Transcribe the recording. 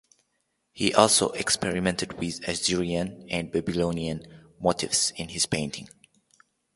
He also experimented with Assyrian and Babylonian motifs in his painting.